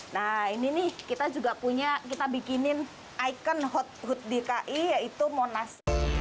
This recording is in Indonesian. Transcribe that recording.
nah ini nih kita juga punya kita bikinin icon hut hut dki yaitu monas